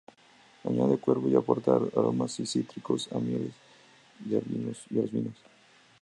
Añade cuerpo y aporta aromas a cítricos y a miel a los vinos.